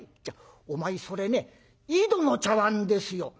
お前それね『井戸の茶碗』ですよ。